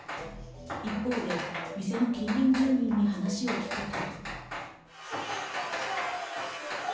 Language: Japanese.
一方で店の近隣住民に話を聞くと。